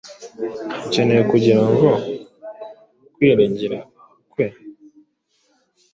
ukomeye kugira ngo kwiringira kwe